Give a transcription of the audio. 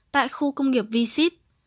tại khu công nghiệp v sip